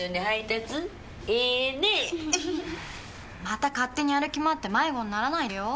また勝手に歩き回って迷子にならないでよ？